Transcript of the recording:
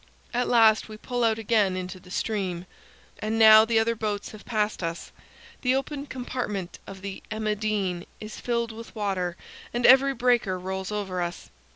At last we pull out again into the stream. And now the other boats have passed us. The open compartment of the "Emma Dean" is filled with water and every breaker rolls over us.